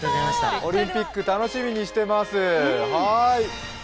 オリンピック楽しみにしています。